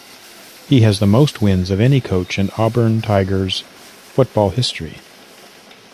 He has the most wins of any coach in Auburn Tigers football history.